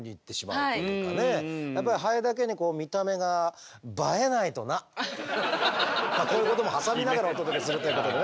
やっぱりハエだけにこういうことも挟みながらお届けするということでね。